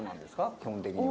基本的には。